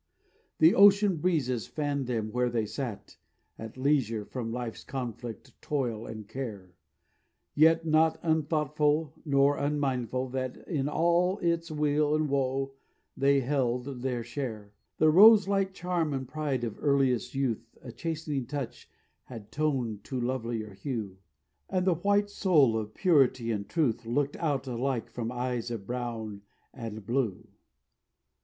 The ocean breezes fanned them where they sat, At leisure from life's conflict, toil and care, Yet not unthoughtful, nor unmindful that In all its weal and woe they held their share. The rose light charm and pride of earliest youth A chastening touch had toned to lovelier hue, And the white soul of purity and truth Looked out alike from eyes of brown and blue.